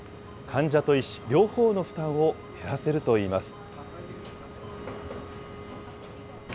患者と医師、両方の負担を減らせるといいます。